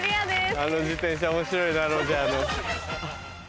あの自転車面白いなロジャーの。